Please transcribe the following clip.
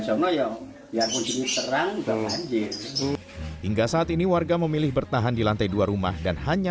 semuanya yang terang hingga saat ini warga memilih bertahan di lantai dua rumah dan hanya